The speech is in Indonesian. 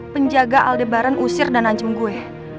penjaga aldebaran usir dan anjung gue